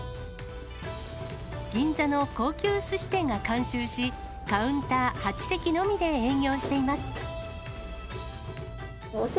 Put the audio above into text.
銀座の高級すし店が監修し、カウンター８席のみで営業しています。